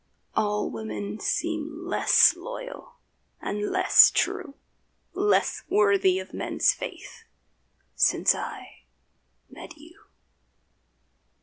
All women seem less loyal and less true, Less worthy of men's faith since I met you.